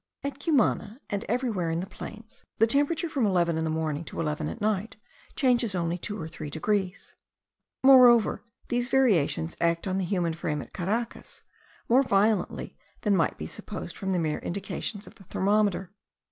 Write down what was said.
At Cumana, and everywhere in the plains, the temperature from eleven in the morning to eleven at night changes only 2 or 3 degrees. Moreover, these variations act on the human frame at Caracas more violently than might be supposed from the mere indications of the thermometer.